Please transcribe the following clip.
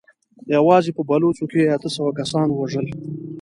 يواځې په بلوڅو کې يې اته سوه کسان ووژل.